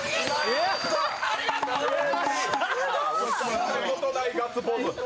見たことないガッツポーズ。